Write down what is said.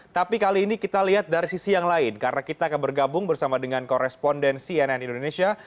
tapi kali ini kita lihat dari sisi yang lain karena kita akan bergabung bersama dengan koresponden cnn indonesia